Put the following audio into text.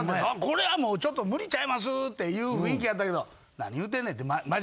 「これはもうちょっと無理ちゃいます？」っていう雰囲気やったけど「何言うてんねん」って。